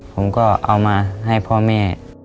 ผมก็เอามาให้พ่อแม่